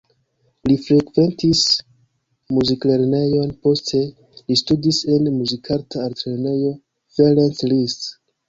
Li frekventis muziklernejon, poste li studis en Muzikarta Altlernejo Ferenc Liszt.